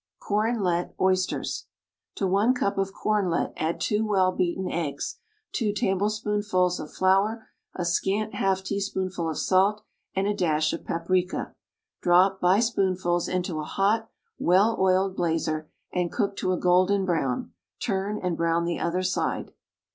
=Kornlet Oysters.= To one cup of kornlet add two well beaten eggs, two tablespoonfuls of flour, a scant half teaspoonful of salt and a dash of paprica. Drop, by spoonfuls, into a hot, well oiled blazer and cook to a golden brown, turn, and brown the other side.